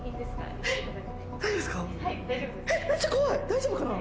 大丈夫かな？